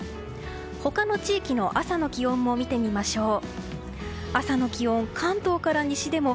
他の地域の朝の気温も見てみましょう。